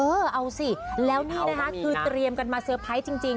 เออเอาสิแล้วนี่นะคะคือเตรียมกันมาเซอร์ไพรส์จริง